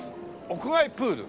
屋外プール。